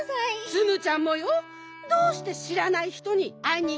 ツムちゃんもよ。どうしてしらないひとにあいにいったりしたの？